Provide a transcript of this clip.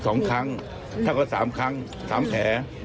หนึ่งครั้งถ้าง็๓ครั้ง๓แผล